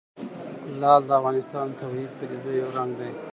لعل د افغانستان د طبیعي پدیدو یو رنګ دی.